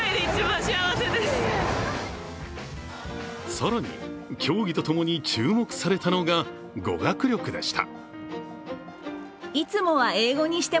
更に、競技とともに注目されたのが語学力でした。